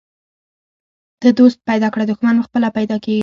ته دوست پیدا کړه، دښمن پخپله پیدا کیږي.